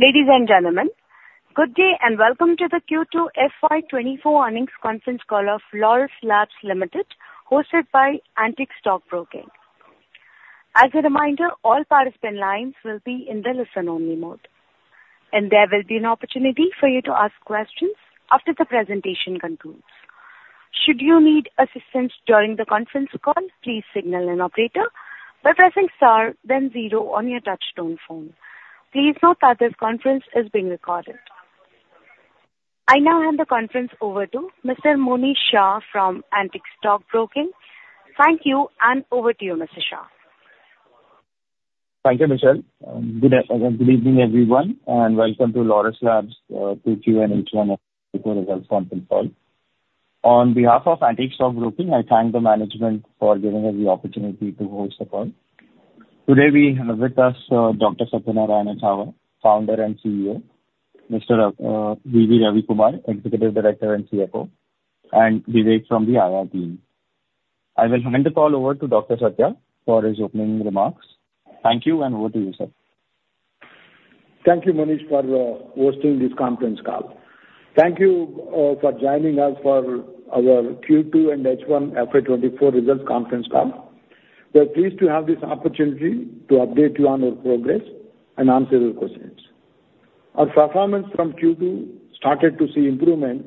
Ladies and gentlemen, good day, and welcome to the Q2 FY2024 Earnings Conference Call of Laurus Labs Limited, hosted by Antique Stock Broking. As a reminder, all participant lines will be in the listen-only mode, and there will be an opportunity for you to ask questions after the presentation concludes. Should you need assistance during the conference call, please signal an operator by pressing star then zero on your touchtone phone. Please note that this conference is being recorded. I now hand the conference over to Mr. Monish Shah from Antique Stock Broking. Thank you, and over to you, Mr. Shah. Thank you, Michelle. Good evening, everyone, and welcome to Laurus Labs Q2 and H1 Results Conference Call. On behalf of Antique Stock Broking, I thank the management for giving us the opportunity to host the call. Today we have with us Dr. Satyanarayana Chava, Founder and CEO, Mr. V.V. Ravi Kumar, Executive Director and CFO, and Vivek from the IR team. I will hand the call over to Dr. Satya for his opening remarks. Thank you, and over to you, sir. Thank you, Monish, for hosting this conference call. Thank you for joining us for our Q2 and H1 FY 2024 results conference call. We are pleased to have this opportunity to update you on our progress and answer your questions. Our performance from Q2 started to see improvement,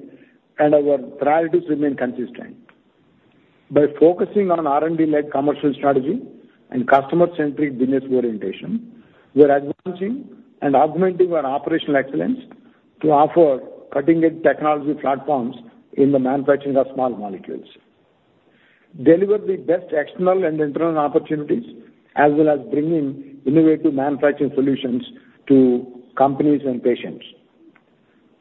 and our priorities remain consistent. By focusing on an R&D-led commercial strategy and customer-centric business orientation, we are advancing and augmenting our operational excellence to offer cutting-edge technology platforms in the manufacturing of small molecules, deliver the best external and internal opportunities, as well as bringing innovative manufacturing solutions to companies and patients.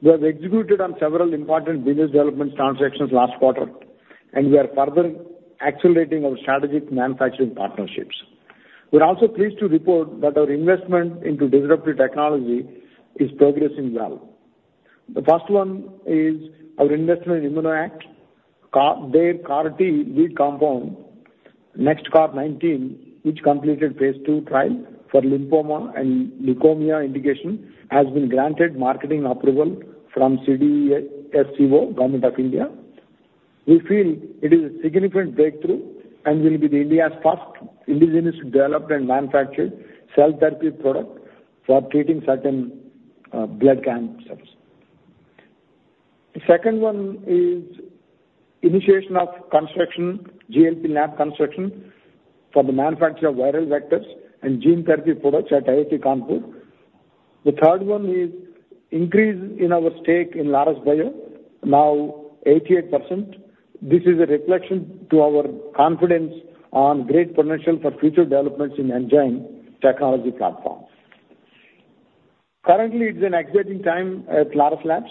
We have executed on several important business development transactions last quarter, and we are further accelerating our strategic manufacturing partnerships. We're also pleased to report that our investment into disruptive technology is progressing well. The first one is our investment in ImmunoACT, their CAR-T lead compound, NexCAR19, which completed phase two trial for lymphoma and leukemia indication, has been granted marketing approval from CDSCO, Government of India. We feel it is a significant breakthrough and will be the India's first indigenous developed and manufactured cell therapy product for treating certain blood cancer. The second one is initiation of construction, GLP lab construction, for the manufacture of viral vectors and gene therapy products at IIT Kanpur. The third one is increase in our stake in Laurus Bio, now 88%. This is a reflection to our confidence on great potential for future developments in enzyme technology platforms. Currently, it's an exciting time at Laurus Labs,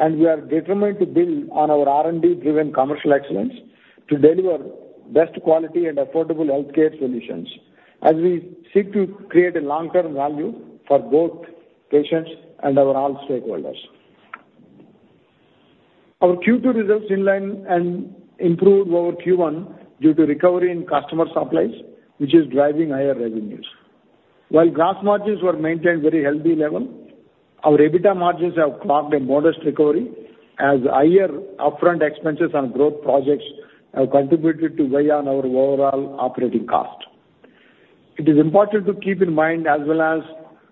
and we are determined to build on our R&D-driven commercial excellence to deliver best quality and affordable healthcare solutions as we seek to create a long-term value for both patients and our all stakeholders. Our Q2 results in line and improved over Q1 due to recovery in customer supplies, which is driving higher revenues. While gross margins were maintained very healthy level, our EBITDA margins have clocked a modest recovery, as higher upfront expenses on growth projects have contributed to weigh on our overall operating cost. It is important to keep in mind as well as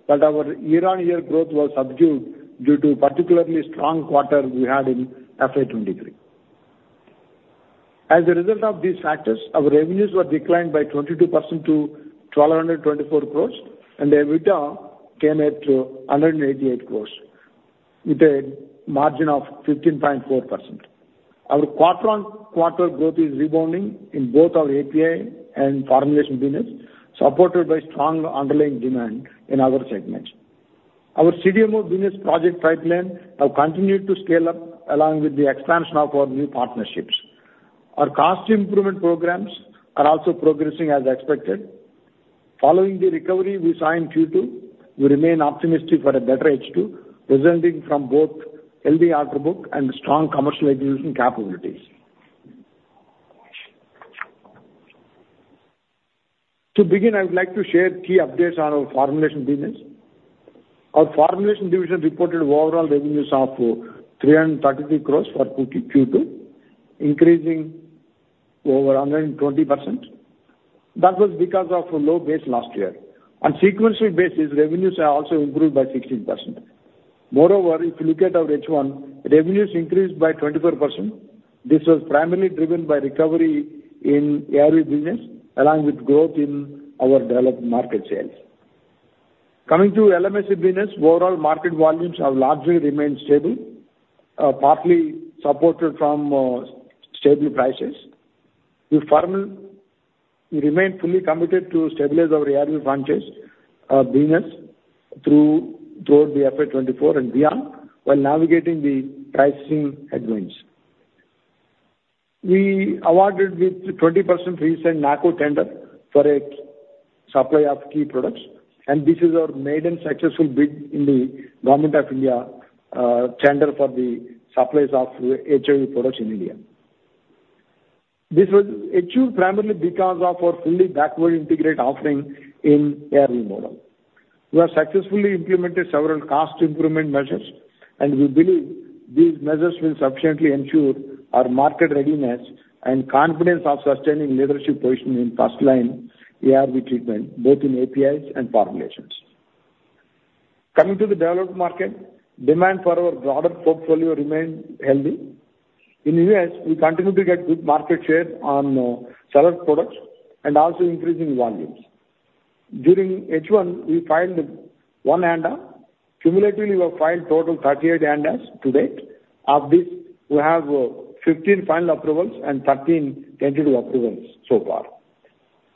that our year-on-year growth was subdued due to particularly strong quarter we had in FY 2023. As a result of these factors, our revenues were declined by 22% to 1,224 crore, and the EBITDA came at 188 crore, with a margin of 15.4%. Our quarter-on-quarter growth is rebounding in both our API and formulation business, supported by strong underlying demand in our segments. Our CDMO business project pipeline have continued to scale up along with the expansion of our new partnerships. Our cost improvement programs are also progressing as expected. Following the recovery we saw in Q2, we remain optimistic for a better H2, resulting from both healthy order book and strong commercial execution capabilities. To begin, I would like to share key updates on our formulation business. Our formulation division reported overall revenues of 333 crore for Q2, increasing over 120%. That was because of low base last year. On sequential basis, revenues have also improved by 16%. Moreover, if you look at our H1, revenues increased by 24%. This was primarily driven by recovery in ARV business, along with growth in our developed market sales. Coming to LMIC business, overall market volumes have largely remained stable, partly supported from stable prices. We remain fully committed to stabilize our ARV franchise business through toward the FY 2024 and beyond, while navigating the pricing headwinds. We awarded with 20% recent NACO tender for a supply of key products, and this is our maiden successful bid in the Government of India tender for the supplies of HIV products in India. This was achieved primarily because of our fully backward integrated offering in ARV model. We have successfully implemented several cost improvement measures, and we believe these measures will sufficiently ensure our market readiness and confidence of sustaining leadership position in first-line ARV treatment, both in APIs and formulations. Coming to the developed market, demand for our broader portfolio remained healthy. In U.S., we continue to get good market share on several products and also increasing volumes. During H1, we filed 1 ANDA. Cumulatively, we have filed total 38 ANDAs to date. Of this, we have 15 final approvals and 13 tentative approvals so far.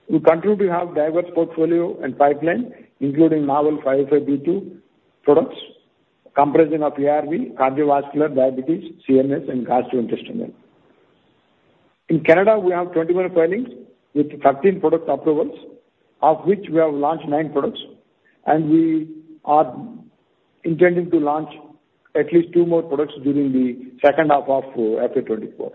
We continue to have diverse portfolio and pipeline, including novel 505(b)(2) products, comprising of ARV, cardiovascular, diabetes, CNS, and gastrointestinal. In Canada, we have 21 filings with 13 product approvals, of which we have launched nine products, and we are intending to launch at least two more products during the second half of FY 2024.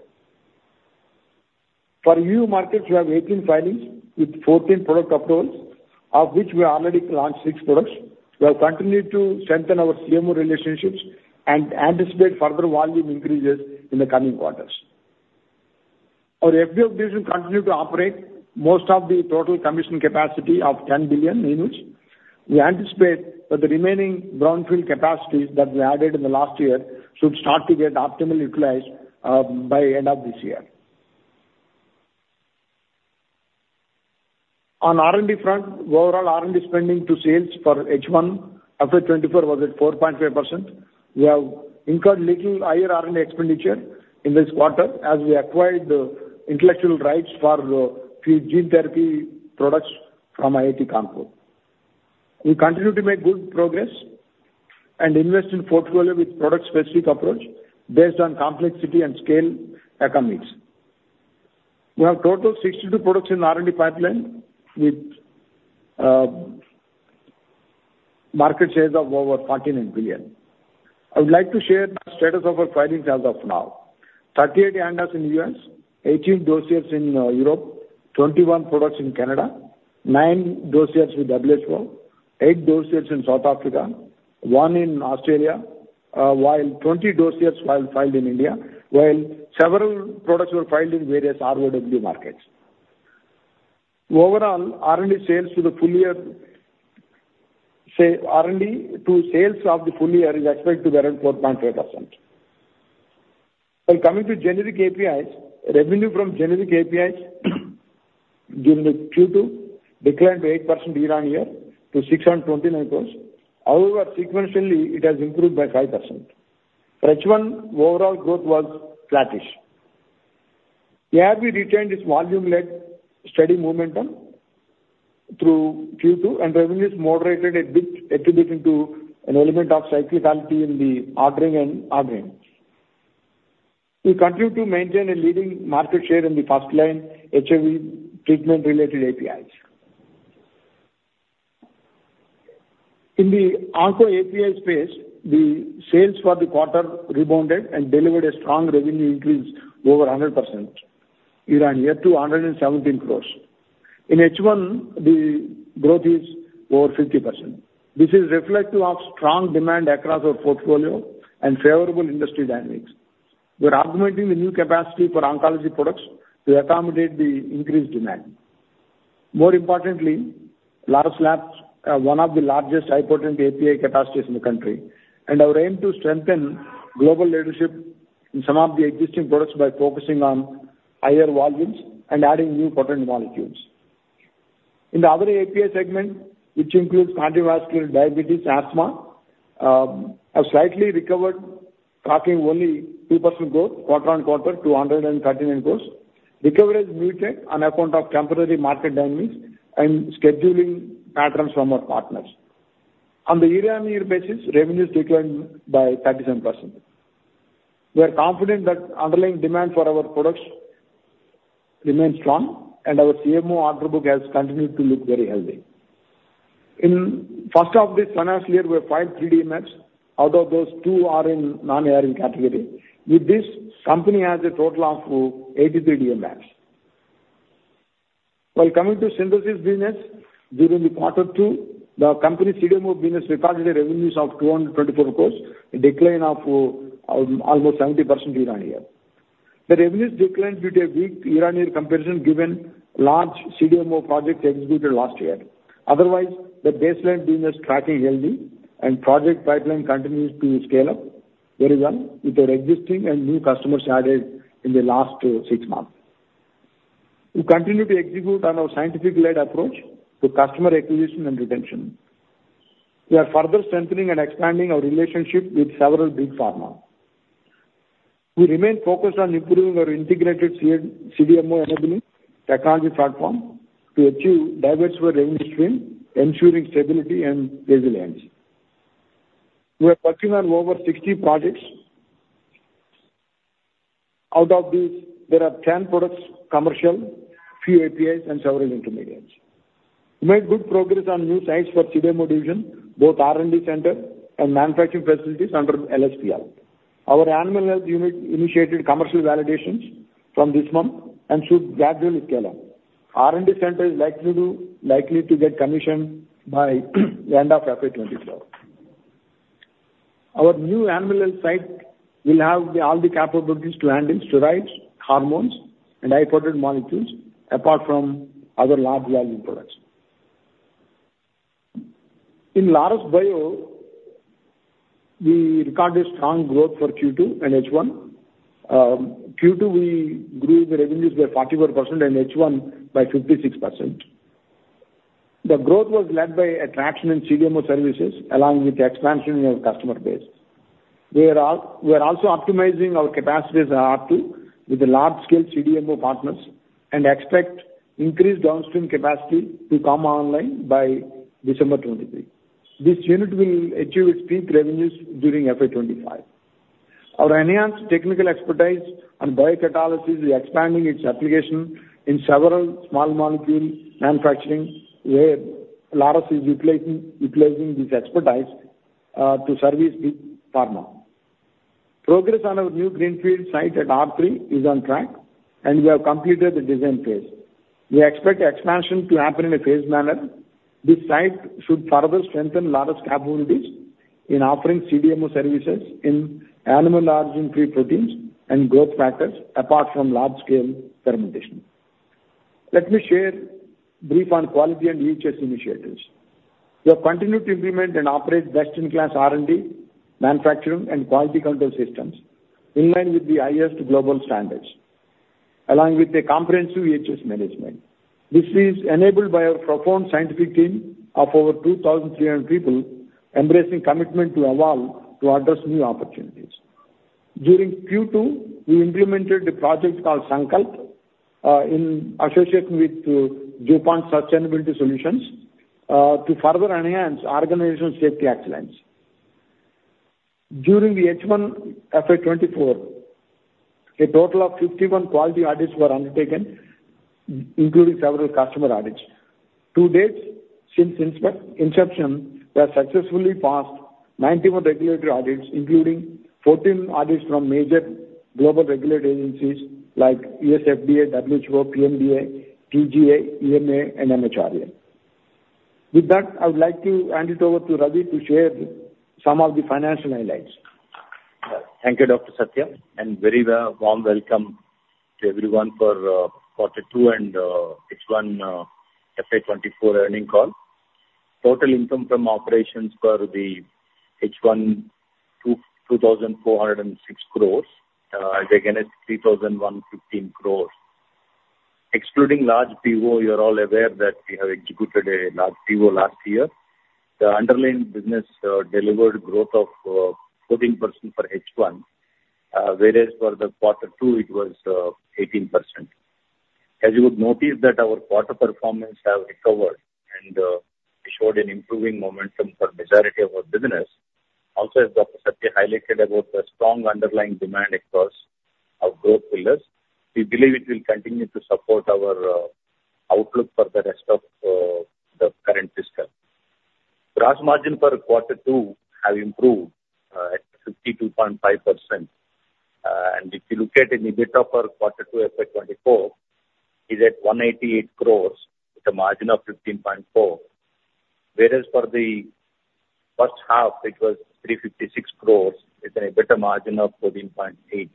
For E.U. markets, we have 18 filings with 14 product approvals, of which we already launched six products. We have continued to strengthen our CMO relationships and anticipate further volume increases in the coming quarters. Our FDF division continue to operate most of the total commission capacity of 10 billion units. We anticipate that the remaining brownfield capacities that we added in the last year should start to get optimally utilized by end of this year. On R&D front, overall R&D spending to sales for H1 FY 2024 was at 4.5%. We have incurred little higher R&D expenditure in this quarter as we acquired the intellectual rights for few gene therapy products from IIT Kanpur. We continue to make good progress and invest in portfolio with product-specific approach based on complexity and scale economics. We have total 62 products in R&D pipeline with market shares of over $13 billion. I would like to share the status of our filings as of now: 38 ANDAs in U.S., 18 dossiers in Europe, 21 products in Canada, nine dossiers with WHO, eight dossiers in South Africa, one in Australia, while 20 dossiers were filed in India, while several products were filed in various ROW markets. Overall, R&D sales for the full year, say R&D to sales of the full year is expected to be around 4.5%. While coming to generic APIs, revenue from generic APIs during the Q2 declined to 8% year-on-year to 629 crore. However, sequentially, it has improved by 5%. For H1, overall growth was flattish. ARV retained its volume-led steady momentum through Q2, and revenues moderated a bit attributing to an element of cyclicality in the ordering and ordering. We continue to maintain a leading market share in the first-line HIV treatment-related APIs. In the Onco API space, the sales for the quarter rebounded and delivered a strong revenue increase to over 100% year-on-year to 117 crore. In H1, the growth is over 50%. This is reflective of strong demand across our portfolio and favorable industry dynamics. We're augmenting the new capacity for oncology products to accommodate the increased demand. More importantly, Laurus Labs are one of the largest HiPotent API capacities in the country, and our aim to strengthen global leadership in some of the existing products by focusing on higher volumes and adding new potent molecules. In the other API segment, which includes cardiovascular, diabetes, asthma, have slightly recovered, tracking only 2% growth quarter-over-quarter to 239 crore. Recovery is muted on account of temporary market dynamics and scheduling patterns from our partners. On the year-over-year basis, revenues declined by 37%. We are confident that underlying demand for our products remains strong, and our CMO order book has continued to look very healthy. In first half of this financial year, we filed three DMFs. Out of those, two are in non-ARV category. With this, company has a total of 83 DMFs. While coming to synthesis business, during the quarter two, the company CDMO business recorded a revenues of 224 crore, a decline of almost 70% year-over-year. The revenues declined due to a weak year-over-year comparison, given large CDMO projects executed last year. Otherwise, the baseline business tracking healthy and project pipeline continues to scale up very well with our existing and new customers added in the last six months. We continue to execute on our scientific-led approach to customer acquisition and retention. We are further strengthening and expanding our relationship with several big pharma. We remain focused on improving our integrated CDMO-enabling technology platform to achieve diverse revenue stream, ensuring stability and resilience. We are working on over 60 projects. Out of these, there are 10 products commercial, few APIs and several intermediates. We made good progress on new sites for CDMO division, both R&D center and manufacturing facilities under LSPL. Our animal health unit initiated commercial validations from this month and should gradually scale up. R&D center is likely to get commissioned by the end of FY 2024. Our new animal health site will have all the capabilities to handle steroids, hormones, and HiPotent molecules, apart from other large volume products. In Laurus Bio, we recorded strong growth for Q2 and H1. Q2, we grew the revenues by 44% and H1 by 56%. The growth was led by a traction in CDMO services, along with the expansion in our customer base. We are also optimizing our capacities in-house with the large scale CDMO partners and expect increased downstream capacity to come online by December 2023. This unit will achieve its peak revenues during F.Y. 2025. Our enhanced technical expertise on biocatalysis is expanding its application in several small-molecule manufacturing, where Laurus is utilizing this expertise to service Big Pharma. Progress on our new greenfield site at R3 is on track, and we have completed the design phase. We expect expansion to happen in a phased manner. This site should further strengthen Laurus capabilities in offering CDMO services in animal origin-free proteins and growth factors, apart from large-scale fermentation. Let me share brief on quality and EHS initiatives. We have continued to implement and operate best-in-class R&D, manufacturing and quality control systems in line with the highest global standards, along with a comprehensive EHS management. This is enabled by our profound scientific team of over 2,300 people, embracing commitment to evolve to address new opportunities. During Q2, we implemented a project called Sankalp in association with DuPont Sustainable Solutions to further enhance organizational safety excellence. During the H1 FY 2024, a total of 51 quality audits were undertaken, including several customer audits. To date, since inception, we have successfully passed 91 regulatory audits, including 14 audits from major global regulatory agencies like U.S. FDA, WHO, PMDA, TGA, EMA, and MHRA. With that, I would like to hand it over to Ravi to share some of the financial highlights. Thank you, Dr. Satya, and very well, warm welcome to everyone for quarter two and H1 FY 2024 earning call. Total income from operations for the H1, 2,406 crore, and again, it's 3,115 crore. Excluding large PO, you're all aware that we have executed a large PO last year. The underlying business delivered growth of 14% for H1, whereas for the quarter two it was 18%. As you would notice that our quarter performance have recovered, and we showed an improving momentum for majority of our business. Also, as Dr. Satya highlighted about the strong underlying demand across our growth pillars, we believe it will continue to support our outlook for the rest of the current fiscal. Gross margin for quarter two have improved at 52.5%. If you look at EBITDA for quarter two FY 2024, is at 188 crore with a margin of 15.4. Whereas for the first half, it was 356 crore with an EBITDA margin of 14.8%.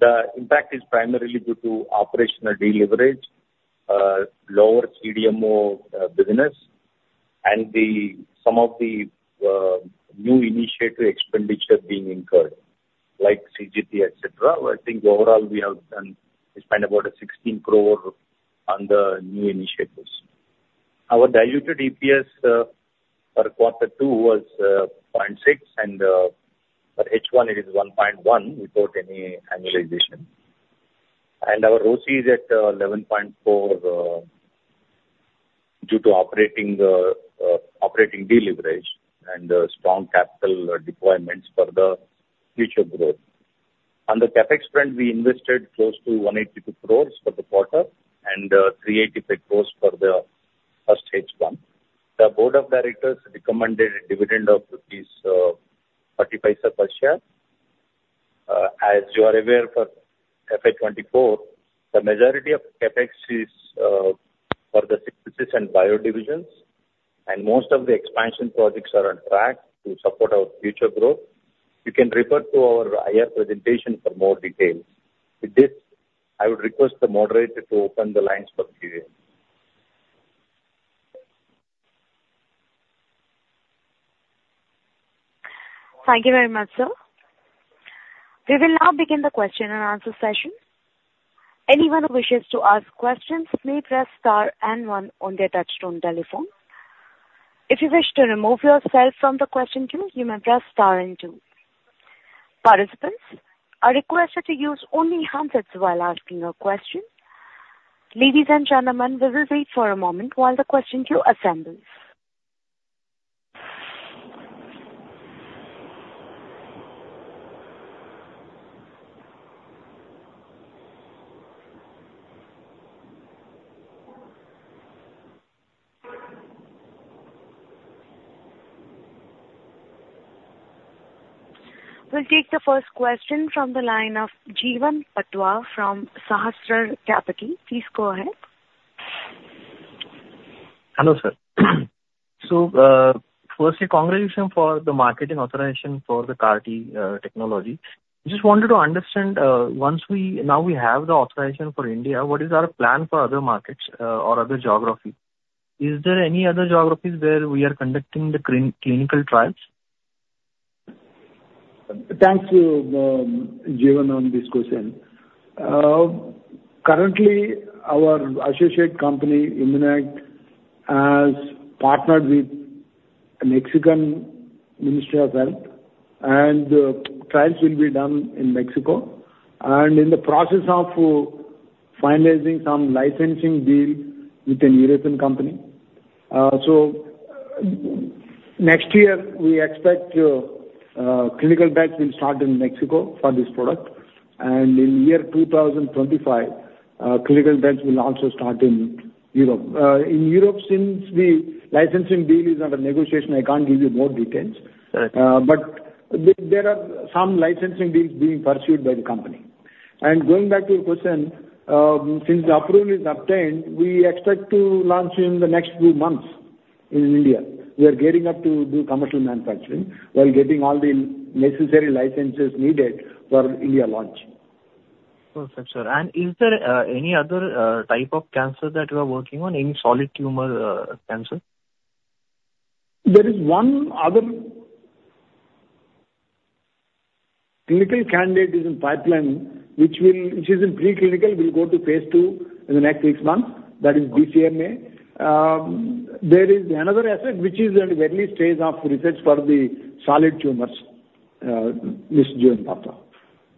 The impact is primarily due to operational deleverage, lower CDMO business, and the some of the new initiative expenditure being incurred, like CGT, et cetera. I think overall, we have done, we spent about a 16 crore on the new initiatives. Our diluted EPS for quarter two was 0.6, and for H1 it is 1.1 without any annualization. Our ROCE is at 11.4 due to operating deleverage and strong capital deployments for the future growth. On the CapEx front, we invested close to 182 crore for the quarter and 388 crore for the first H1. The board of directors recommended a dividend of rupees 35 per share. As you are aware, for F.Y. 2024, the majority of CapEx is for the Synthesis and Bio divisions, and most of the expansion projects are on track to support our future growth. You can refer to our I.R. presentation for more details. With this, I would request the moderator to open the lines for Q&A. So: "one", "two". Wait, "touch-tone". "Anyone who wishes to ask questions may press star and one on their touch-tone telephone." "If you wish to remove yourself from the question queue, you may press star and two." "Participants are requested to use only handsets while asking a question." "Ladies and gentlemen, we will wait for a moment while the question queue assembles." "We'll take the first question from the line of Jeevan Patwa from Sahasrar Capital. Please go ahead." Wait, "question and answer session". "We will now begin the question-and-answer session." Is it "question-and-answer" or "questio Hello, sir. Firstly, congratulations for the marketing authorization for the CAR-T technology. Just wanted to understand, now we have the authorization for India, what is our plan for other markets or other geographies? Is there any other geographies where we are conducting the clinical trials? Thanks to Jeevan on this question. Currently, our associate company, ImmunoACT, has partnered with Mexican Ministry of Health, and the trials will be done in Mexico, and in the process of finalizing some licensing deals with an European company. Next year, we expect clinical trials will start in Mexico for this product, and in year 2025, clinical trials will also start in Europe. In Europe, since the licensing deal is under negotiation, I can't give you more details. Right. There are some licensing deals being pursued by the company. Going back to your question, since the approval is obtained, we expect to launch in the next few months in India. We are getting up to do commercial manufacturing while getting all the necessary licenses needed for India launch. Perfect, sir. Is there any other type of cancer that you are working on, any solid tumor cancer? There is one other clinical candidate is in pipeline, which will, which is in preclinical, will go to phase II in the next six months. That is BCMA. There is another asset which is in the early stage of research for the solid tumors. Yes, Jeevan Patwa.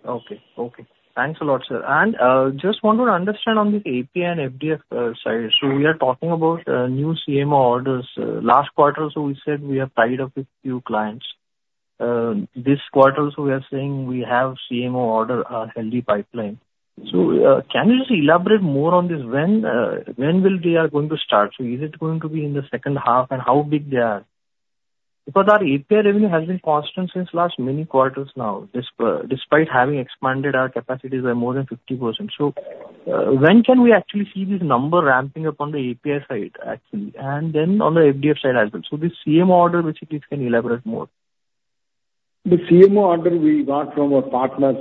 Okay. Okay. Thanks a lot, sir. Just want to understand on the API and FDF side. We are talking about new CMO orders. Last quarter, we said we are tied up with few clients. This quarter, we are saying we have CMO order, a healthy pipeline. Can you just elaborate more on this? When will they are going to start? Is it going to be in the second half, and how big they are? Because our API revenue has been constant since last many quarters now, despite having expanded our capacities by more than 50%. When can we actually see this number ramping up on the API side, actually, and then on the FDF side as well? The CMO order, which it is, can you elaborate more? The CMO order we got from our partners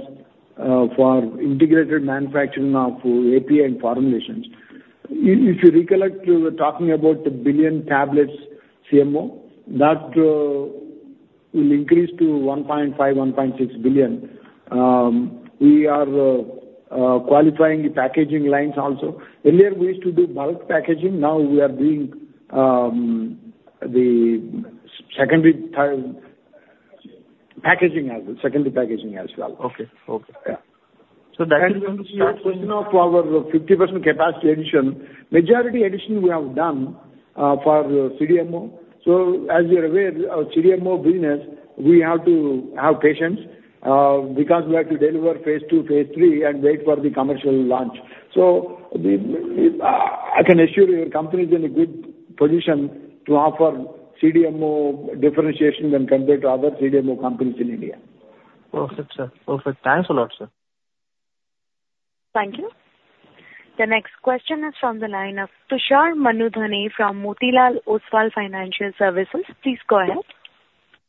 for integrated manufacturing of API and formulations. If you recollect, we were talking about the 1 billion tablets CMO, that will increase to 1.5 billion-1.6 billion. We are qualifying the packaging lines also. Earlier, we used to do bulk packaging, now we are doing the secondary, third packaging as well, secondary packaging as well. Okay. Okay. Yeah. That is when we start. To your question of our 50% capacity addition, majority addition we have done for CDMO. As you're aware, our CDMO business, we have to have patience because we have to deliver phase II, phase III, and wait for the commercial launch. I can assure you, your company is in a good position to offer CDMO differentiation when compared to other CDMO companies in India. if "sir" is a "Preserve every word i Thank you. The next question is from the line of Tushar Manudhane from Motilal Oswal Financial Services. Please go ahead.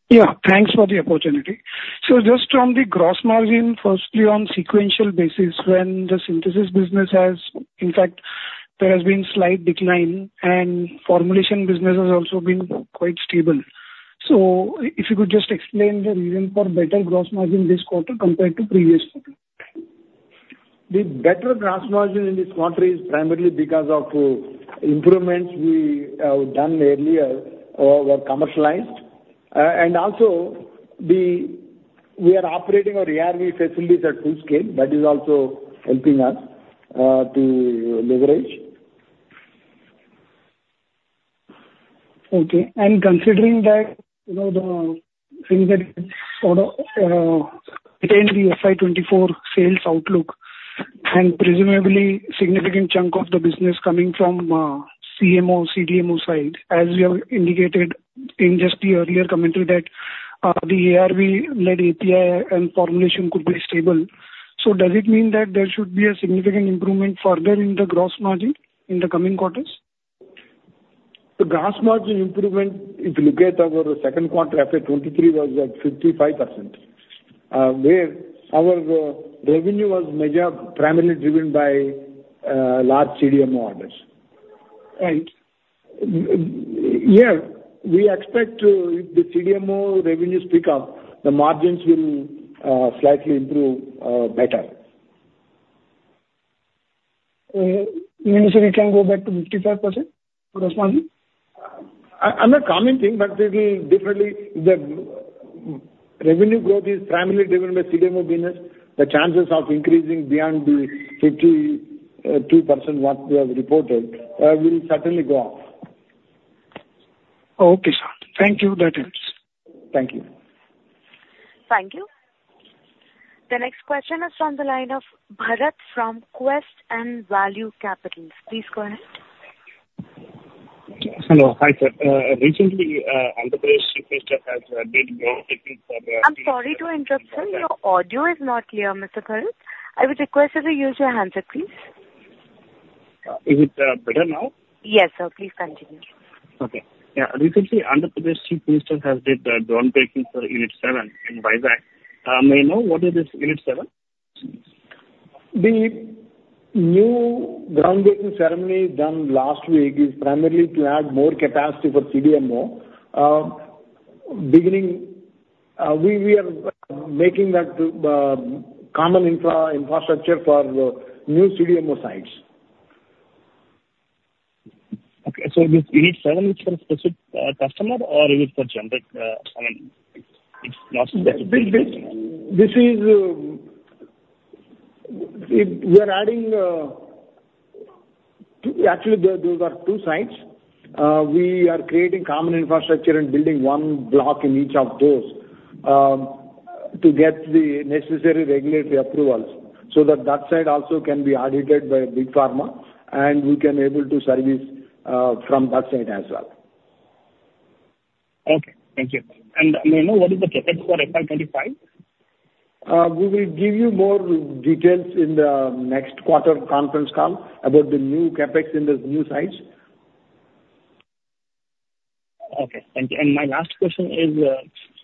Yeah, thanks for the opportunity. Just from the gross margin, firstly, on sequential basis, when the synthesis business has, in fact, there has been slight decline, and formulation business has also been quite stable. If you could just explain the reason for better gross margin this quarter compared to previous quarter. The better gross margin in this quarter is primarily because of improvements we done earlier were commercialized. Also, we are operating our ARV facilities at full scale. That is also helping us to leverage. safe with the "fewer than three letters" rule. Wait, "ARV-led API". Is "ARV-led" hyphenated? Yes, "ARV-led" is a standard way to write it. Wait, "CMO, CDMO side". Is it "CMO-CDMO side"? The speaker said "CMO, CDMO side". I'll use a comma. Wait, "gross margin". Is it "gross margins The gross margin improvement, if you look at our second quarter of FY 2023, was at 55%, where our revenue was major, primarily driven by large CDMO orders. Right. Yeah, we expect if the CDMO revenues pick up, the margins will slightly improve better. You mean to say it can go back to 55% gross margin? I'm not commenting, but it will definitely, the revenue growth is primarily driven by CDMO business. The chances of increasing beyond the 52%, what we have reported, will certainly go up. Okay, sir. Thank you, that helps. Thank you. Thank you. The next question is from the line of Bharat from Quest and Value Capital. Please go ahead. Hello. Hi, sir. Recently, Andhra Pradesh Chief Minister has did groundbreaking for the- I'm sorry to interrupt, sir. Your audio is not clear, Mr. Bharat. I would request that you use your handset, please. Is it better now? Yes, sir. Please continue. Okay. Yeah, recently, Andhra Pradesh Chief Minister has did the groundbreaking for Unit 7 in Vizag. May I know what is this Unit 7? The new groundbreaking ceremony done last week is primarily to add more capacity for CDMO. Beginning, we are making that common infrastructure for new CDMO sites. Okay, this Unit 7 is for a specific customer, or it is for generic, I mean, it's not specific? We are adding two. Actually, those are two sites. We are creating common infrastructure and building one block in each of those to get the necessary regulatory approvals so that that site also can be audited by Big Pharma, and we can able to service from that site as well. Okay, thank you. May I know what is the CapEx for F.Y. 2025? We will give you more details in the next quarter conference call about the new CapEx in those new sites. Okay, thank you. My last question is,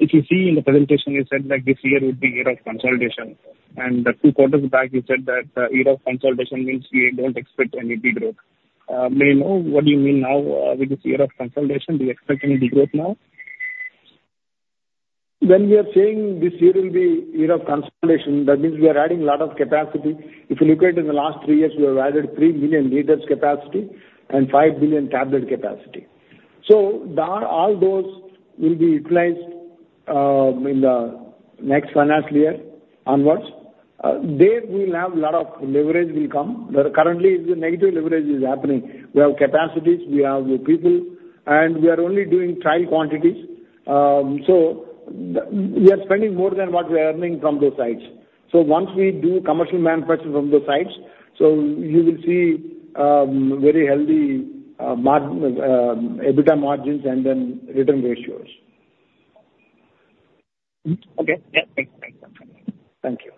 if you see in the presentation, you said that this year would be year of consolidation, and two quarters back, you said that year of consolidation means we don't expect any big growth. May I know what do you mean now with this year of consolidation? Do you expect any big growth now? When we are saying this year will be year of consolidation, that means we are adding a lot of capacity. If you look at in the last three years, we have added 3 million L capacity and 5 billion tablet capacity. All those will be utilized in the next financial year onwards. There we will have a lot of leverage will come, where currently the negative leverage is happening. We have capacities, we have the people, and we are only doing trial quantities. We are spending more than what we are earning from those sites. Once we do commercial manufacturing from those sites, so you will see very healthy EBITDA margins and then return ratios. Okay. Yeah, thanks. Thank you.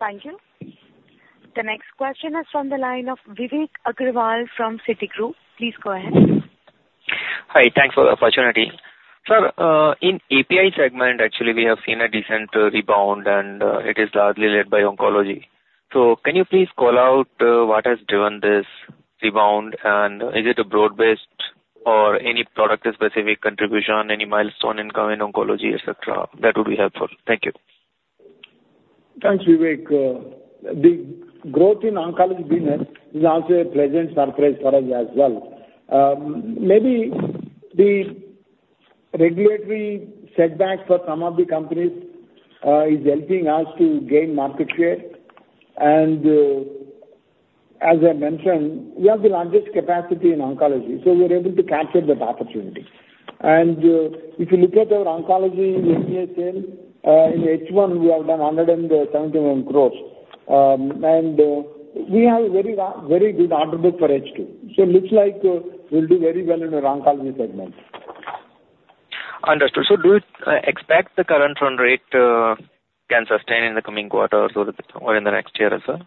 Thank you. The next question is from the line of Vivek Agrawal from Citigroup. Please go ahead. Hi, thanks for the opportunity. Sir, in API segment, actually, we have seen a decent rebound, and it is largely led by oncology. Can you please call out what has driven this rebound? Is it a broad-based or any product-specific contribution, any milestone in coming oncology, et cetera? That would be helpful. Thank you. Thanks, Vivek. The growth in oncology business is also a pleasant surprise for us as well. Maybe the regulatory setback for some of the companies is helping us to gain market share. As I mentioned, we have the largest capacity in oncology, so we are able to capture that opportunity. If you look at our oncology API sale in H1, we have done 171 crore. We have a very very good order book for H2. Looks like we'll do very well in the oncology segment. Understood. Do you expect the current run rate can sustain in the coming quarters or in the next year as well?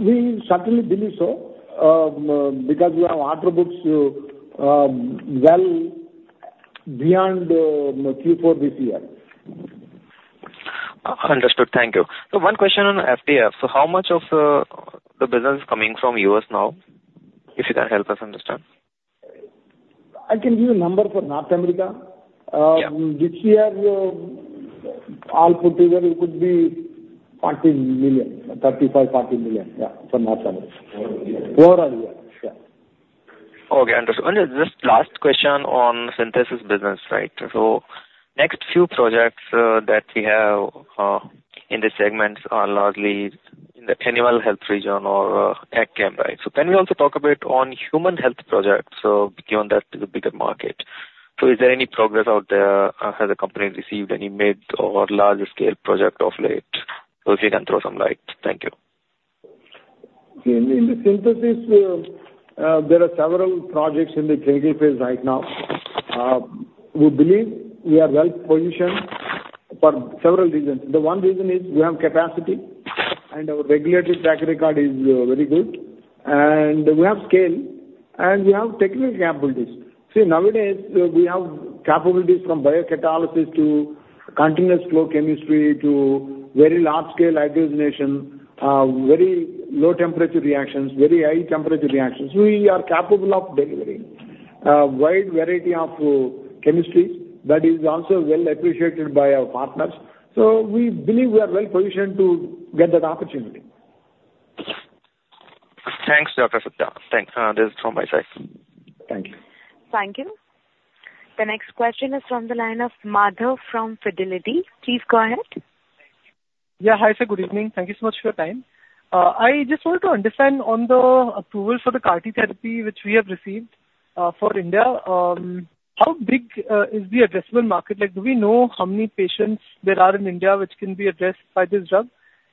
We certainly believe so because we have order books well beyond, you know, Q4 this year. Understood. Thank you. One question on FDF: how much of the business is coming from U.S. now, if you can help us understand? I can give you a number for North America. Yeah. This year, all put together, it could be $40 million, $35 million-$40 million, yeah, from North America. Overall, yeah. Yeah. Okay, understood. Just last question on synthesis business, right? Next few projects that we have in the segments are largely in the animal health region or ag chem, right? Can we also talk a bit on human health projects, so given that is a bigger market? Is there any progress out there? Has the company received any mid- or large-scale project of late? If you can throw some light. Thank you. In the synthesis, there are several projects in the critical phase right now. We believe we are well positioned for several reasons. The one reason is we have capacity, and our regulatory track record is very good, and we have scale, and we have technical capabilities. See, nowadays, we have capabilities from biocatalysis to continuous-flow chemistry to very large-scale hydrogenation, very low-temperature reactions, very high-temperature reactions. We are capable of delivering wide variety of chemistry that is also well appreciated by our partners. We believe we are well positioned to get that opportunity. Thanks, Dr. Satya. Thanks. That's all from my side. Thank you. Thank you. The next question is from the line of Madhav from Fidelity. Please, go ahead. Yeah. Hi, sir, good evening. Thank you so much for your time. I just want to understand on the approval for the CAR-T therapy, which we have received for India, how big is the addressable market? Like, do we know how many patients there are in India which can be addressed by this drug?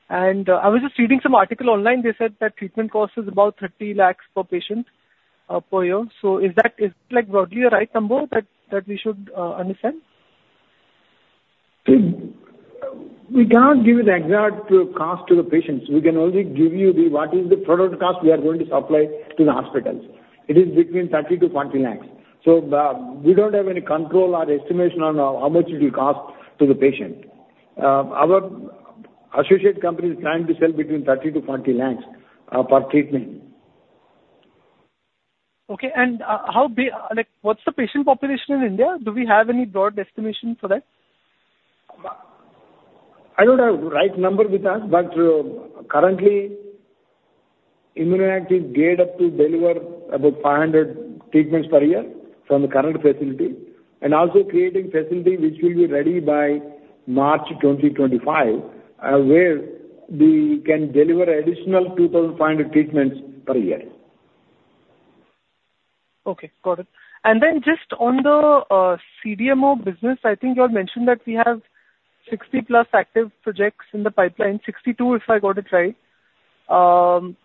I was just reading some article online, they said that treatment cost is about 30 lakh per patient per year. Is that, like, broadly a right number that we should understand? We can't give you the exact cost to the patients. We can only give you what is the product cost we are going to supply to the hospitals. It is between 30 lakh-40 lakh. We don't have any control or estimation on how much it will cost to the patient. Our associate company is planning to sell between 30 lakh-40 lakh per treatment. Okay, how big, like, what's the patient population in India? Do we have any broad estimation for that? I don't have the right number with us, but currently, ImmunoACT is geared up to deliver about 500 treatments per year from the current facility, and also creating facility which will be ready by March 2025, where we can deliver additional 2,500 treatments per year. Okay, got it. Just on the CDMO business, I think you had mentioned that we have 60+ active projects in the pipeline, 62, if I got it right.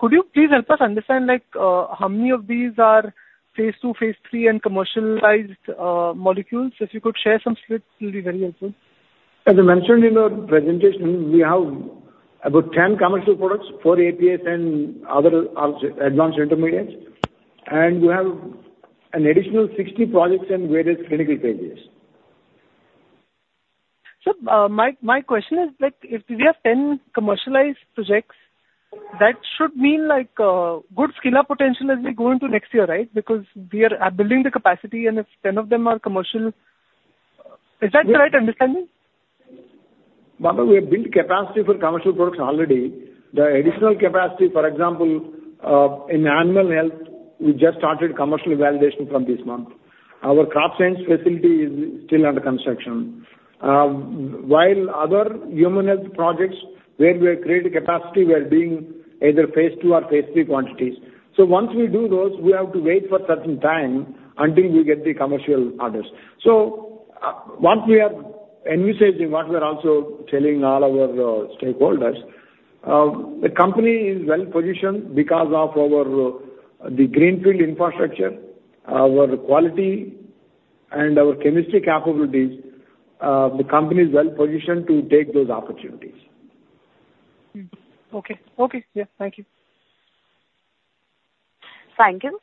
Could you please help us understand, like, how many of these are phase II, phase III, and commercialized molecules? If you could share some splits, it will be very helpful. As I mentioned in our presentation, we have about 10 commercial products for APIs and other advanced intermediates, and we have an additional 60 projects in various clinical phases. My question is that if we have 10 commercialized projects, that should mean, like, good scale-up potential as we go into next year, right? Because we are building the capacity, and if 10 of them are commercial, is that the right understanding? Bhavin, we have built capacity for commercial products already. The additional capacity, for example, in animal health, we just started commercial validation from this month. Our crop science facility is still under construction. While other human health projects, where we are creating capacity, we are doing either phase II or phase III quantities. Once we do those, we have to wait for certain time until we get the commercial orders. What we are envisaging, what we are also telling all our stakeholders, the company is well positioned because of our greenfield infrastructure, our quality, and our chemistry capabilities. The company is well positioned to take those opportunities. Okay. Okay. Yeah. Thank you. Thank you.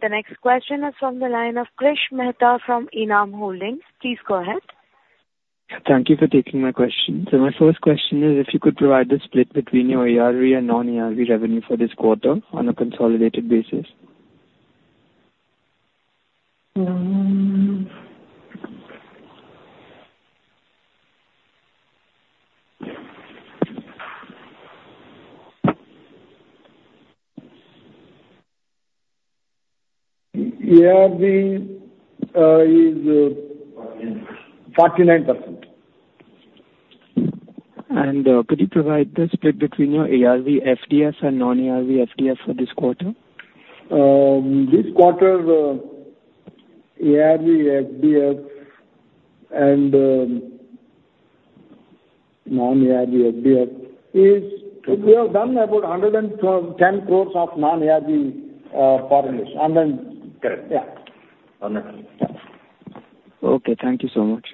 The next question is from the line of Krish Mehta from Enam Holdings. Please go ahead. Thank you for taking my question. My first question is if you could provide the split between your ARV and non-ARV revenue for this quarter on a consolidated basis. ARV is 49%. Could you provide the split between your ARV FDF and non-ARV FDF for this quarter? This quarter, ARV FDFs and non-ARV FDFs is, we have done about 110 crore of non-ARV formulations. And then- Correct. Yeah. 100%. Yeah. Okay, thank you so much.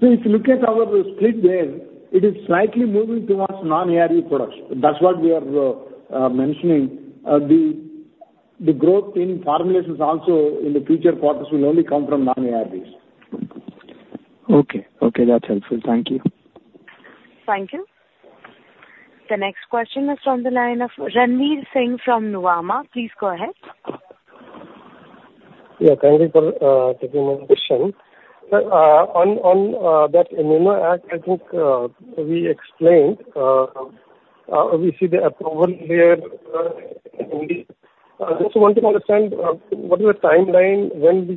If you look at our split there, it is slightly moving towards non-ARV products. That's what we are mentioning. The growth in formulations also in the future quarters will only come from non-ARVs. Okay. Okay, that's helpful. Thank you. Thank you. The next question is from the line of Ranvir Singh from Nuvama. Please go ahead. Yeah, thank you for taking my question. Sir, on that ImmunoACT, I think we explained we see the approval there. I also want to understand what is the timeline when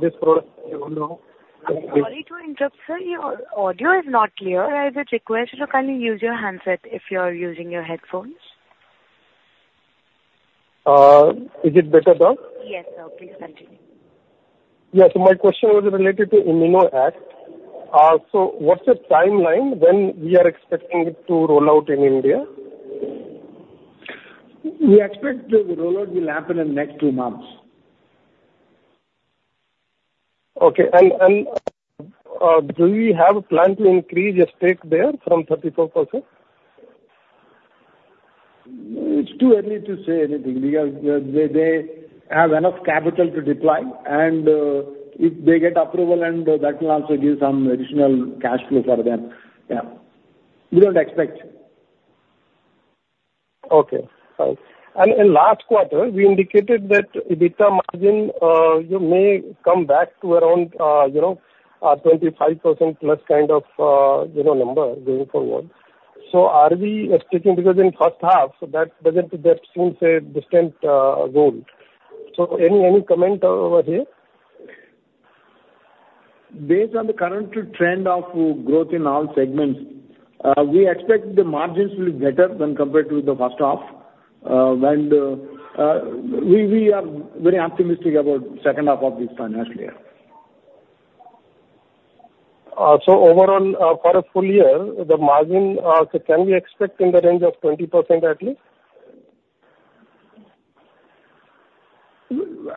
this product will roll out? Sorry to interrupt, sir. Your audio is not clear. I would request you to kindly use your handset if you are using your headphones. Is it better now? Yes, sir. Please continue. Yeah. My question was related to ImmunoACT. What's the timeline when we are expecting it to roll out in India? We expect the rollout will happen in next two months. Okay. Do we have a plan to increase our stake there from 34%? It's too early to say anything because they have enough capital to deploy. If they get approval, and that will also give some additional cash flow for them. Yeah. We don't expect. Okay, fine. In last quarter, we indicated that EBITDA margin, you may come back to around, you know, 25%+ kind of, you know, number going forward. Are we expecting... Because in first half, so that doesn't, that seems a distant goal. Any comment over here? Based on the current trend of growth in all segments, we expect the margins will be better than compared to the first half, and we are very optimistic about second half of this financial year. Overall, for a full year, the margin, can we expect in the range of 20% at least?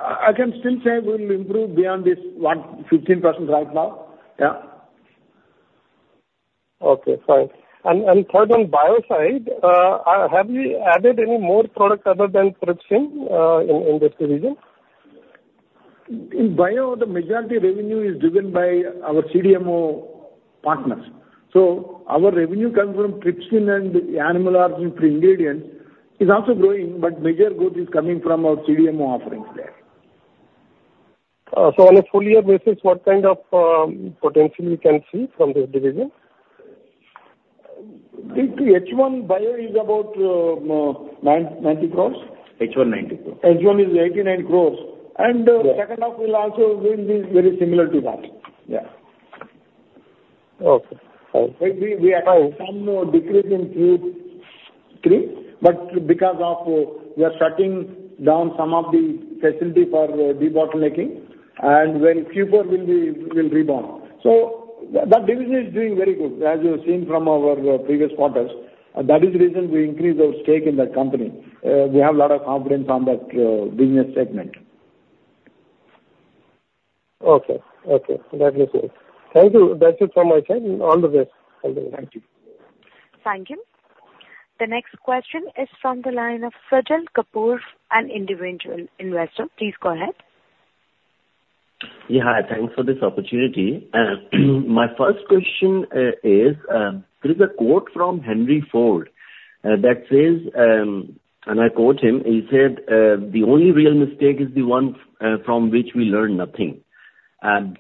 I can still say we'll improve beyond this 115% right now. Yeah. Okay, fine. Third, on Bio side, have you added any more product other than trypsin in this division? In Bio, the majority revenue is driven by our CDMO partners. Our revenue comes from trypsin and animal-origin-free ingredients is also growing, but major growth is coming from our CDMO offerings there. On a full-year basis, what kind of potential you can see from this division? The H1 Bio is about 90 crore. H1, 90 crore. H1 is 89 crores. Yeah. Second half will also be very similar to that. Yeah. Okay. All right. We had some decrease in Q3, but because of we are shutting down some of the facility for debottlenecking, and Q4 will rebound. That division is doing very good, as you've seen from our previous quarters. That is the reason we increased our stake in that company. We have a lot of confidence on that business segment. Okay. Okay, that is it. Thank you. That's it from my side, and all the best. Thank you. Thank you. The next question is from the line of Sajjan Kapur, an individual investor. Please go ahead. Yeah, hi. Thanks for this opportunity. My first question is, there is a quote from Henry Ford that says, and I quote him, he said, "The only real mistake is the one from which we learn nothing."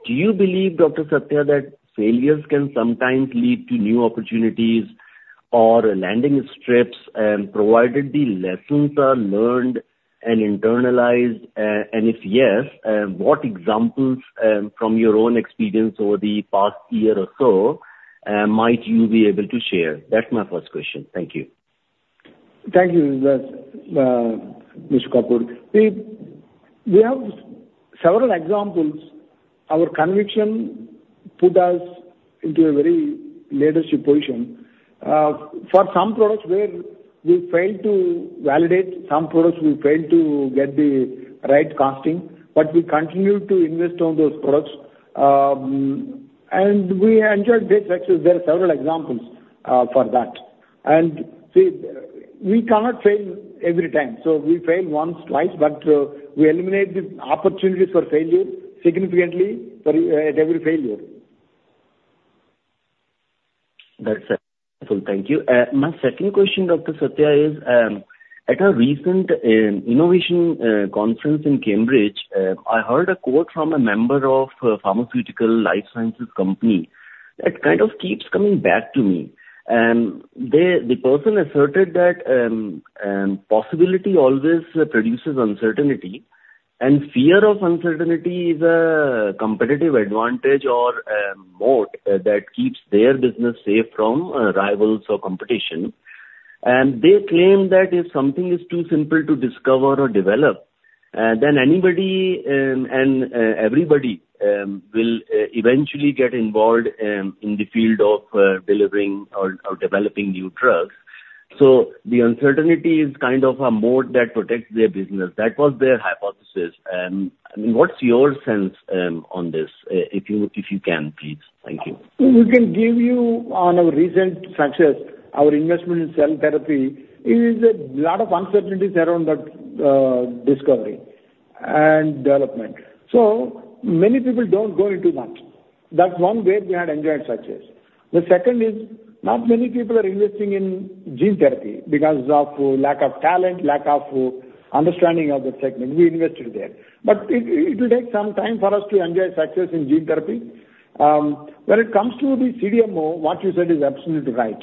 Do you believe, Dr. Satya, that failures can sometimes lead to new opportunities or landing strips, provided the lessons are learned and internalized? If yes, what examples from your own experience over the past year or so might you be able to share? That's my first question. Thank you. Thank you, Mr. Kapur. We have several examples. Our conviction put us into a very leadership position. For some products where we failed to validate, some products we failed to get the right costing, but we continued to invest on those products. We enjoyed great success. There are several examples for that. See, we cannot fail every time, so we fail once, twice, but we eliminate the opportunities for failure significantly at every failure. That's it. Thank you. My second question, Dr. Satya, is at a recent innovation conference in Cambridge, I heard a quote from a member of a pharmaceutical life sciences company that kind of keeps coming back to me. The person asserted that possibility always produces uncertainty, and fear of uncertainty is a competitive advantage or a moat that keeps their business safe from rivals or competition. They claim that if something is too simple to discover or develop, then anybody and everybody will eventually get involved in the field of delivering or developing new drugs. The uncertainty is kind of a moat that protects their business. That was their hypothesis. What's your sense on this? If you can, please. Thank you. We can give you on our recent success, our investment in cell therapy is a lot of uncertainties around that discovery and development. Many people don't go into that. That's one way we had enjoyed success. The second is, not many people are investing in gene therapy because of lack of talent, lack of understanding of the technique. We invested there, but it will take some time for us to enjoy success in gene therapy. When it comes to the CDMO, what you said is absolutely right.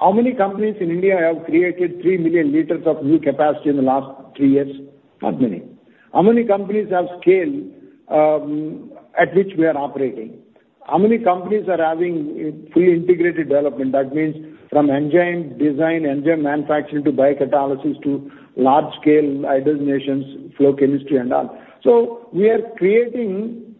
How many companies in India have created 3 million L of new capacity in the last three years? Not many. How many companies have scale at which we are operating? How many companies are having a fully integrated development? That means from enzyme design, enzyme manufacturing, to biocatalysis, to large-scale fermentations, flow chemistry, and all. We are creating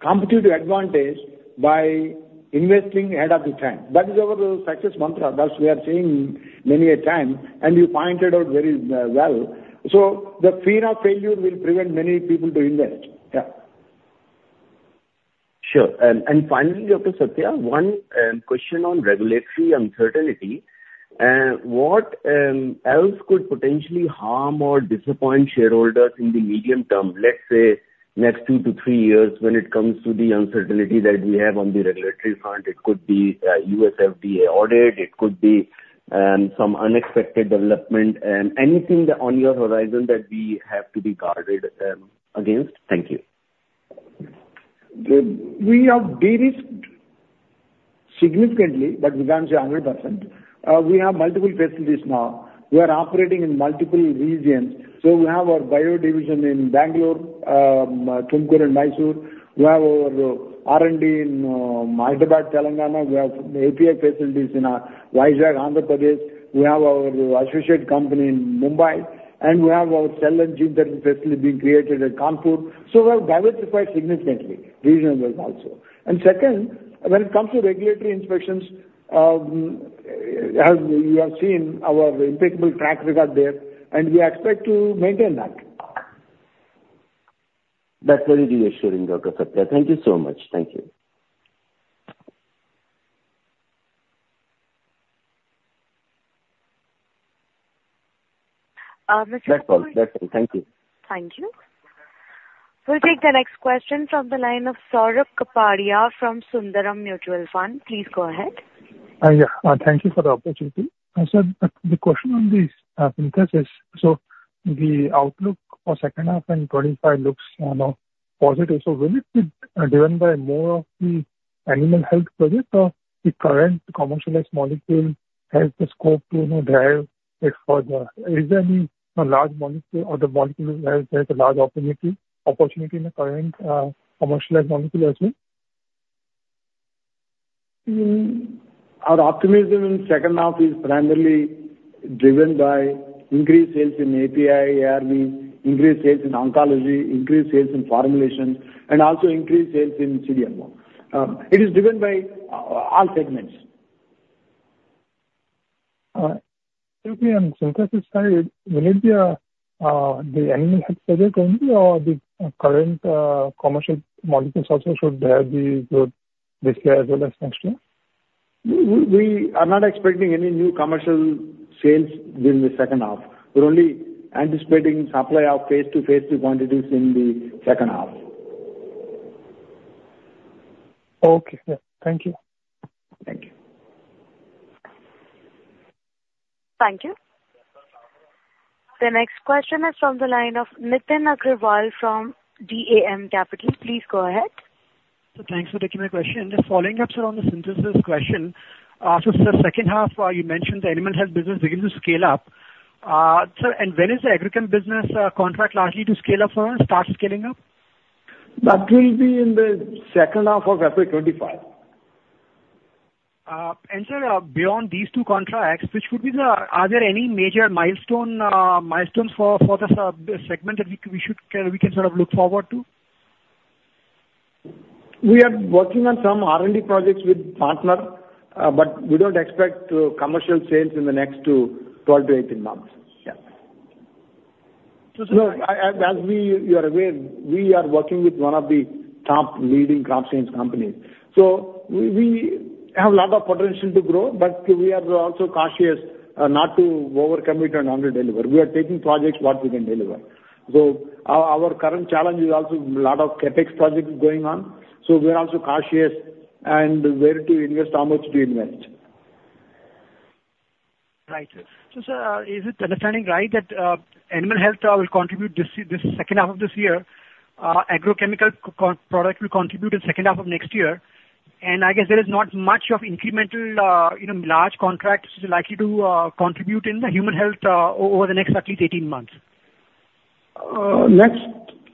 competitive advantage by investing ahead of the time. That is our success mantra. That's we are seeing many a time, and you pointed out very well. The fear of failure will prevent many people to invest. Yeah. Sure. Finally, Dr. Satya, one question on regulatory uncertainty. What else could potentially harm or disappoint shareholders in the medium term, let's say, next two-three years, when it comes to the uncertainty that we have on the regulatory front? It could be U.S. FDA audit, it could be some unexpected development. Anything on your horizon that we have to be guarded against? Thank you. We have derisked significantly, but we can't say 100%. We have multiple facilities now. We are operating in multiple regions, so we have our bio division in Bangalore, Tumkur, and Mysore. We have our R&D in Hyderabad, Telangana. We have API facilities in Vizag, Andhra Pradesh. We have our associate company in Mumbai, and we have our cell and gene therapy facility being created at Kanpur. We have diversified significantly, region-wise also. Second, when it comes to regulatory inspections, as we have seen our impeccable track record there, and we expect to maintain that. That's very reassuring, Dr. Satya. Thank you so much. Thank you. Uh, Mr.- That's all. That's all. Thank you. Thank you. We'll take the next question from the line of Saurabh Kapadia from Sundaram Mutual Fund. Please go ahead. Yeah. Thank you for the opportunity. I said the question on the Synthesis, so the outlook for second half and 2025 looks positive. Will it be driven by more of the animal health projects or the current commercialized molecule has the scope to, you know, drive it further? Is there any large molecule or the molecule has a large opportunity in the current commercialized molecule as well? Our optimism in second half is primarily driven by increased sales in API, ARV, increased sales in oncology, increased sales in formulations, and also increased sales in CDMO. It is driven by all segments. Okay, and Synthesis side, will it be the animal health project only or the current commercial molecules also should have the growth this year as well as next year? We are not expecting any new commercial sales during the second half. We're only anticipating supply of phase II, phase III quantities in the second half. Okay, sir. Thank you. Thank you. Thank you. The next question is from the line of Nitin Agarwal from DAM Capital. Please go ahead. Thanks for taking my question. Just following up, sir, on the synthesis question. The second half, you mentioned the animal health business begins to scale up. Sir, and when is the agricultural business contract likely to scale up or start scaling up? That will be in the second half of FY 2025. Sir, beyond these two contracts, are there any major milestones for the segment that we can sort of look forward to? We are working on some R&D projects with partner, but we don't expect commercial sales in the next 12-18 months. Yeah. So, sir- No, as you are aware, we are working with one of the top leading crop science companies, so we have a lot of potential to grow, but we are also cautious not to overcommit and underdeliver. We are taking projects what we can deliver. Our current challenge is also a lot of CapEx projects going on, so we're also cautious on where to invest, how much to invest. Right. Sir, is it understanding right that animal health will contribute this year, this second half of this year, agrochemical product will contribute in second half of next year, and I guess there is not much of incremental, you know, large contracts likely to contribute in the human health over the next at least 18 months? Next,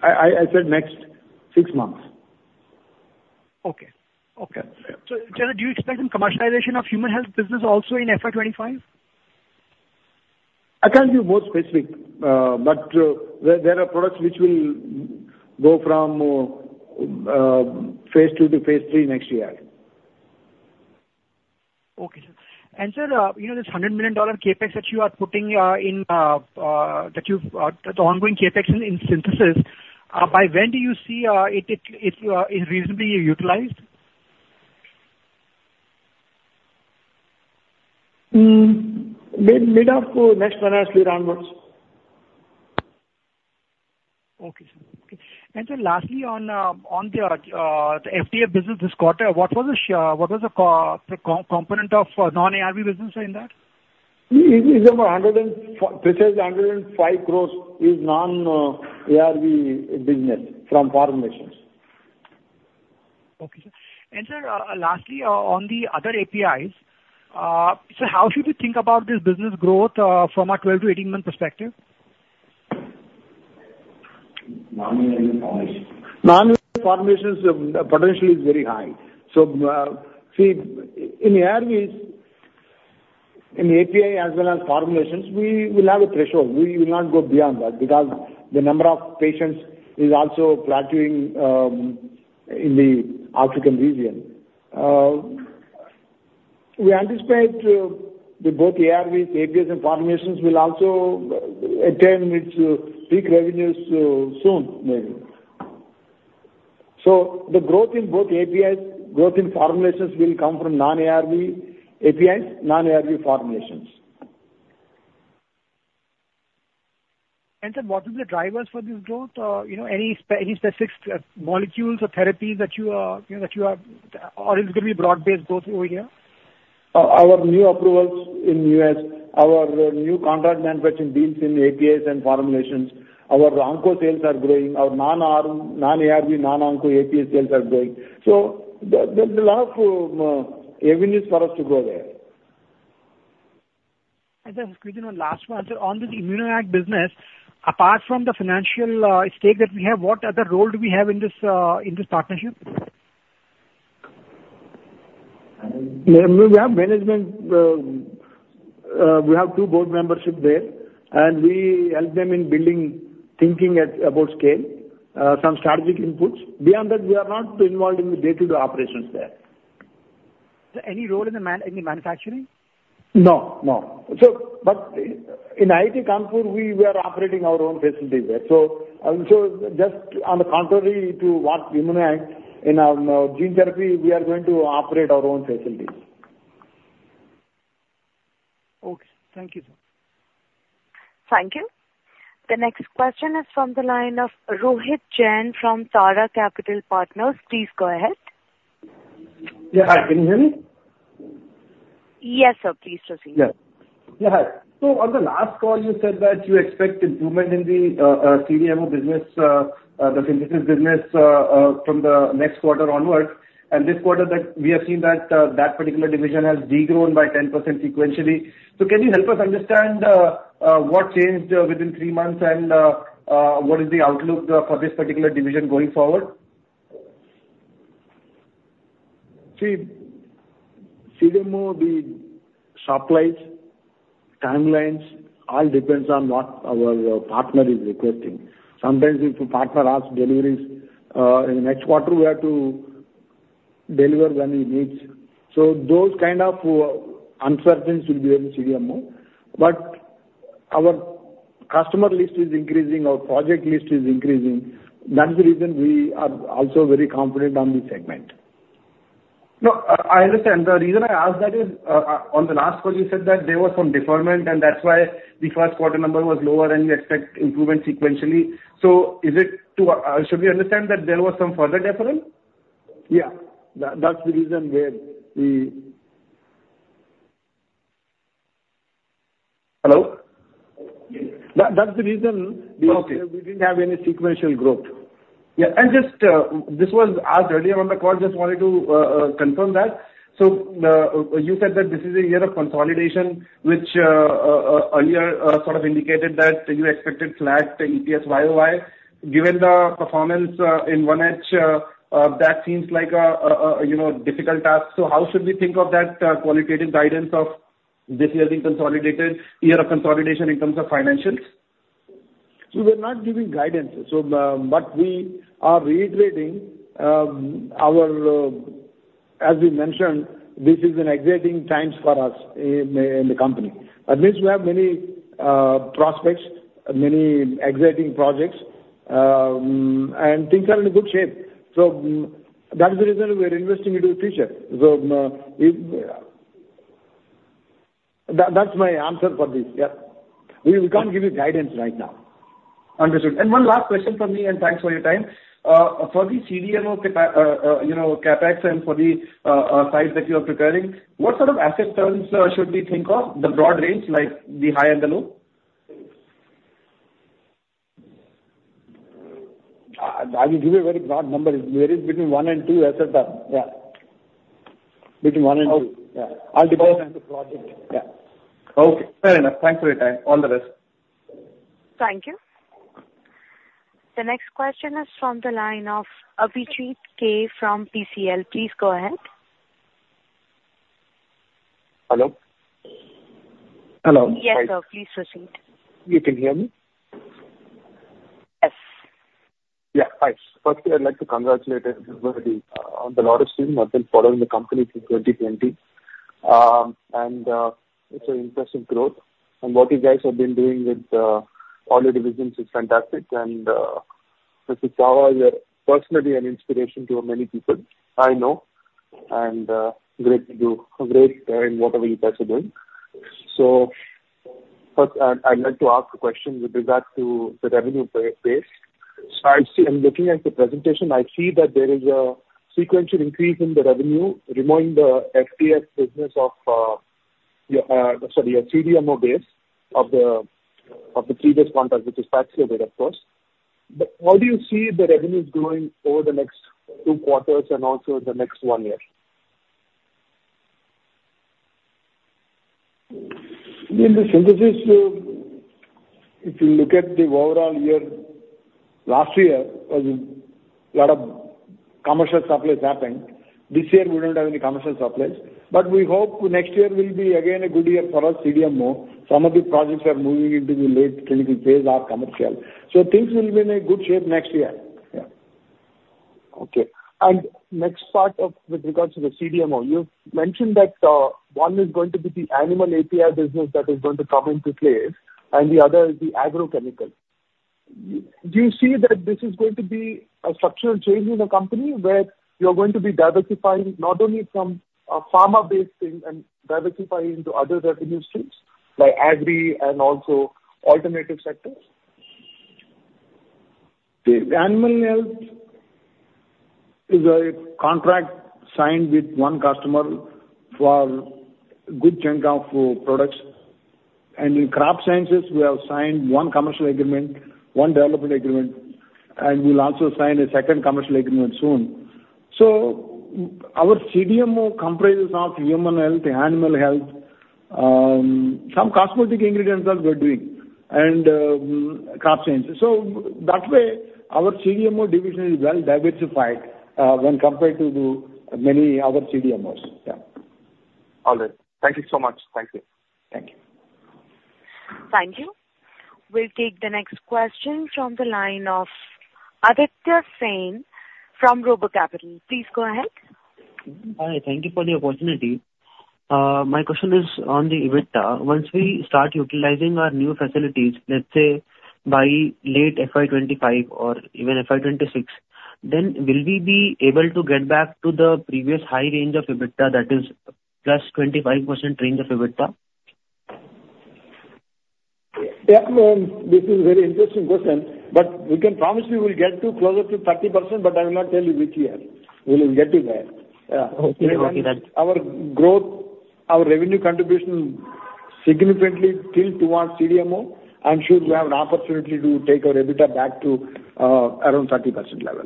I said next six months. Okay. Okay. Sir, do you expect some commercialization of human health business also in F.Y. 2025? I can't be more specific, but there are products which will go from phase II to phase III next year. Okay, sir. Sir, you know, this $100 million CapEx, the ongoing CapEx in synthesis, by when do you see it is reasonably utilized? Mid of next financial year onwards. Okay, sir. Okay. Sir, lastly, on the FDF business this quarter, what was the component of non-ARV business in that? It is about INR 100 crore and precise, INR 105 crore is non-ARV business from formulations. Okay, sir. Sir, lastly, on the other APIs, so how should we think about this business growth from a 12-18-month perspective? Non-ARV formulations. Non-ARV formulations, the potential is very high. See, in ARVs, in API as well as formulations, we will have a threshold. We will not go beyond that because the number of patients is also plateauing in the African region. We anticipate that both ARVs, APIs, and formulations will also attain its peak revenues soon, maybe. The growth in both APIs, growth in formulations will come from non-ARV APIs, non-ARV formulations. Sir, what are the drivers for this growth? You know, any specific molecules or therapies that you are, you know, that you are, or it's gonna be broad-based growth over here? So "APIs" (no periods). * Wait, "ARB". * Is "ARB" an acronym? Yes. * Does it have fewer than three letters? No (A, R, B). * Just a question on last one. On this ImmunoACT business, apart from the financial stake that we have, what other role do we have in this partnership? Yeah, we have management. We have two board membership there, and we help them in building thinking at, about scale, some strategic inputs. Beyond that, we are not involved in the day-to-day operations there. Any role in the manufacturing? No, no. In IIT Kanpur, we were operating our own facility there. Just on the contrary to what ImmunoACT in our gene therapy, we are going to operate our own facilities. Okay. Thank you, sir. Thank you. The next question is from the line of Rohit Jain from Tara Capital Partners. Please go ahead. Yeah, hi. Can you hear me? Yes, sir. Please proceed. Yeah. Yeah, hi. On the last call, you said that you expect improvement in the CDMO business, the synthesis business from the next quarter onwards. This quarter that we have seen that that particular division has de-grown by 10% sequentially. Can you help us understand what changed within three months, and what is the outlook for this particular division going forward? See, CDMO, the supplies, timelines, all depends on what our partner is requesting. Sometimes if the partner asks deliveries in the next quarter, we have to deliver when he needs. Those kind of uncertainties will be on the CDMO. Our customer list is increasing, our project list is increasing. That's the reason we are also very confident on this segment. No, I understand. The reason I ask that is on the last call you said that there was some deferment, and that's why the first quarter number was lower, and you expect improvement sequentially. Should we understand that there was some further deferral? Yeah, that's the reason where we. Hello? That's the reason. Okay. We didn't have any sequential growth. Yeah, just this was asked earlier on the call. Just wanted to confirm that. You said that this is a year of consolidation, which earlier sort of indicated that you expected flat EPS year-over-year. Given the performance in 1H, that seems like a, you know, difficult task. How should we think of that qualitative guidance of this year being consolidated, year of consolidation in terms of financials? We're not giving guidance. But we are reiterating our... As we mentioned, this is an exciting times for us in the company, and this we have many prospects, many exciting projects, and things are in a good shape. That is the reason we are investing into the future. That's my answer for this. Yeah. We can't give you guidance right now. Understood. One last question from me, and thanks for your time. For the CDMO capa, you know, CapEx and for the size that you are preparing, what sort of asset turns should we think of, the broad range, like the high and the low? I will give you a very broad number. It varies between one and two turns. Yeah. Between one and two. Okay. Yeah. All depends on the project. Yeah. Okay, fair enough. Thanks for your time. All the best. Thank you. The next question is from the line of Abhijit K. from PCL. Please go ahead. Hello? Hello. Yes, sir. Please proceed. You can hear me? Yes. Yeah, hi. Firstly, I'd like to congratulate everybody on the lot of things. I've been following the company since 2020. It's an impressive growth. What you guys have been doing with all the divisions is fantastic. Mr. Chava, you're personally an inspiration to many people I know, and great to do, great in whatever you guys are doing. First, I'd like to ask a question with regards to the revenue base. I see, I'm looking at the presentation, I see that there is a sequential increase in the revenue, reminding the FDF business of, yeah, sorry, your CDMO base of the previous contract, which is tax-related of course. How do you see the revenues growing over the next two quarters and also the next one year? In the Synthesis, if you look at the overall year, last year was a lot of commercial supplies happened. This year we don't have any commercial supplies, but we hope next year will be again a good year for our CDMO. Some of the projects are moving into the late clinical phase or commercial. Things will be in a good shape next year. Yeah. Okay. Next part of, with regards to the CDMO, you've mentioned that one is going to be the animal API business that is going to come into play, and the other is the agrochemicals. Do you see that this is going to be a structural change in the company, where you're going to be diversifying not only from a pharma-based thing and diversifying into other revenue streams like agri and also alternative sectors? The animal health is a contract signed with one customer for good chunk of products. In crop sciences, we have signed one commercial agreement, one development agreement, and we'll also sign a second commercial agreement soon. Our CDMO comprises of human health, animal health, some cosmetic ingredients that we're doing, and crop sciences. That way, our CDMO division is well diversified when compared to the many other CDMOs. Yeah. All right. Thank you so much. Thank you. Thank you. Thank you. We'll take the next question from the line of Aditya Singh from RoboCapital. Please go ahead. Hi, thank you for the opportunity. My question is on the EBITDA. Once we start utilizing our new facilities, let's say by late F.Y. 2025 or even F.Y. 2026, then will we be able to get back to the previous high range of EBITDA, that is, +25% range of EBITDA? Yeah, this is a very interesting question, but we can promise you we'll get to closer to 30%, but I will not tell you which year. We will get to there. Yeah. Okay. Okay, then. Our growth, our revenue contribution significantly tilt towards CDMO. I'm sure we have an opportunity to take our EBITDA back to around 30% level.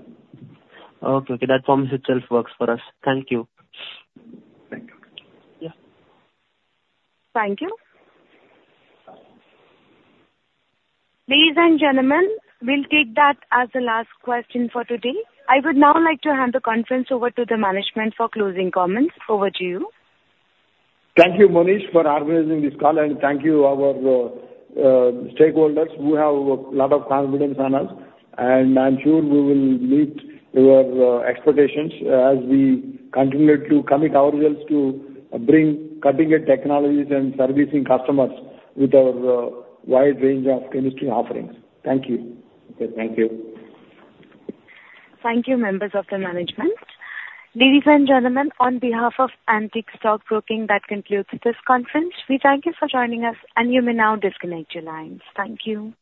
Okay, okay. That promise itself works for us. Thank you. Thank you. Yeah. Thank you. Ladies and gentlemen, we'll take that as the last question for today. I would now like to hand the conference over to the management for closing comments. Over to you. Thank you, Monish, for organizing this call, and thank you our stakeholders who have a lot of confidence on us. I'm sure we will meet your expectations as we continue to commit ourselves to bring cutting-edge technologies and servicing customers with our wide range of industry offerings. Thank you. Okay, thank you. Thank you, members of the management. Ladies and gentlemen, on behalf of Antique Stock Broking, that concludes this conference. We thank you for joining us, and you may now disconnect your lines. Thank you.